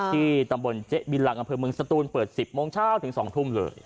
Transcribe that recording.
ที่ตำบลเจ๊บินหลังอำเภอเมืองสตูนเปิด๑๐โมงเช้าถึง๒ทุ่มเลย